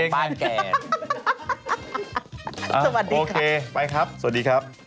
โปรดติดตามตอนต่อไป